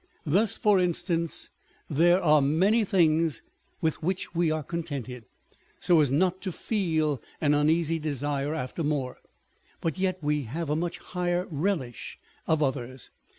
Thus, for instance, there are many things with which we are contented, so as not to feel an uneasy desire after more, but yet we have a much higher relish of others.